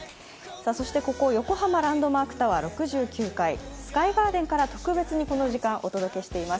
そしてここ横浜ランドマークタワーの６９階、スカイガーデンから特別にこの時間、お届けしています。